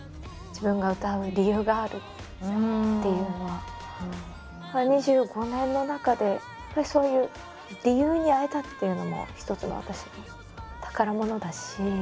実際にライブでも見るとやっぱり２５年の中でやっぱりそういう理由に会えたっていうのも一つの私の宝物だし。